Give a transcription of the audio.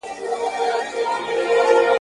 او لا تر اوسه له پېړیو له سدیو وروسته ,